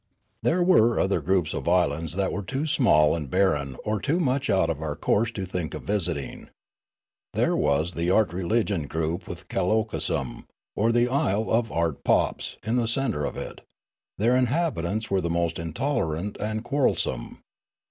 " There were other groups of islands that were too small and barren or too much out of our course to think of visiting. There was the art religion group with Calocosm or the isle of art popes in the centre of it ; their inhabitants were mo.st intolerant and quarrel some.